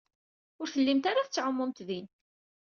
Ur tellimt ara tettɛumumt din.